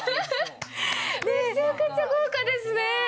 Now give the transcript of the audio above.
めちゃくちゃ豪華ですね。